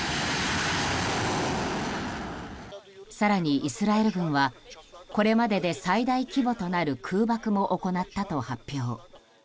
更にイスラエル軍はこれまでで最大規模となる空爆も行ったと発表。